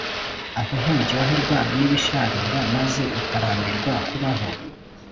ahonturyoherwa nibisharira maze ukarambirwa kubaho